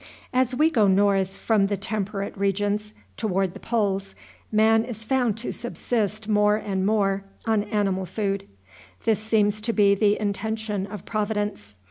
As we go north, from the temperate regions toward the poles, man is found to subsist more and more on animal food. This seems to be the intention of Providence.